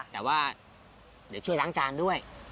แต่ว่าเดี๋ยวช่วยล้างจานด้วย